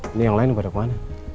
ini yang lain pada kemana